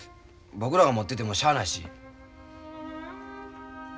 僕らが持っててもしゃあないし。